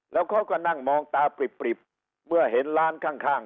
แล้วเขาก็นั่งมองตาปริบเมื่อเห็นร้านข้าง